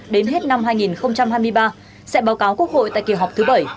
đến hết năm hai nghìn hai mươi ba sẽ báo cáo quốc hội tại kỳ họp thứ bảy